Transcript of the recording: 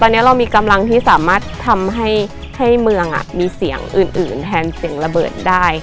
ตอนนี้เรามีกำลังที่สามารถทำให้เมืองมีเสียงอื่นแทนเสียงระเบิดได้